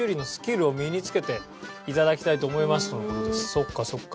そっかそっか。